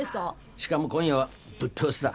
しかも今夜はぶっ通しだ。